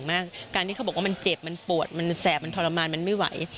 มันแสบมันทรมานมันไม่ไหว